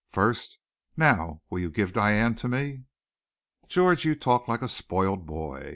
First, now, will you give Diane to me?" "George, you talk like a spoiled boy.